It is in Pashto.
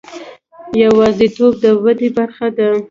یوازیتوب د ودې برخه ده.